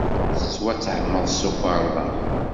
Ttwattehmeɣ s tukerḍa.